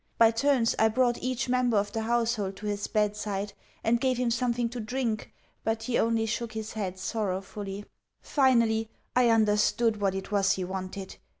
By turns I brought each member of the household to his bedside, and gave him something to drink, but he only shook his head sorrowfully. Finally, I understood what it was he wanted.